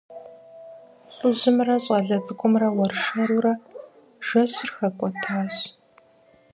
ЛӀыжьымрэ щӀалэ цӀыкӀумрэ уэршэрурэ жэщыр хэкӀуэтащ.